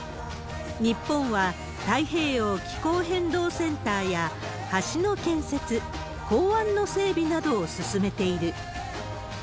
日本は、太平洋気候変動センターや、橋の建設、港湾の整備などを進めている。